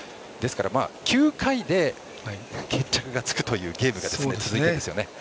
９回で決着がつくというゲームが続いていますね。